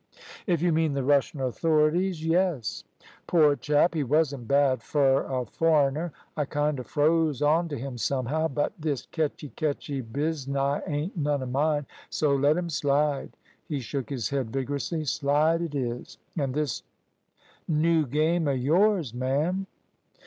"If you mean the Russian authorities, yes." "Poor chap! He wasn't bad fur a foreiner. I kind o' froze on t' him somehow. But this catchy catchy biznai ain't none o' mine, so let him slide." He shook his head vigorously. "Slide it is. An' this noo game o' yours, ma'am?"